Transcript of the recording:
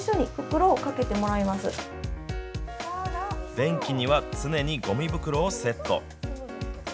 便器には常にごみ袋をセット。